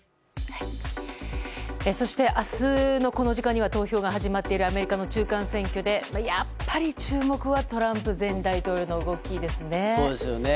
そして明日のこの時間には投票が始まっているアメリカの中間選挙でやっぱり注目はトランプ前大統領の動きですよね。